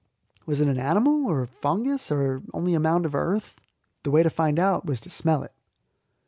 Was it an animal, or a fungus, or only a mound of earth? The way to find out was to smell it.